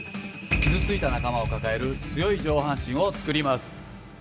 傷ついた仲間を抱える強い上半身を作ります。